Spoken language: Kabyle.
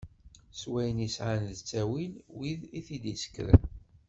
S wayen i sɛan d ttawil wid i t-id-yessekren.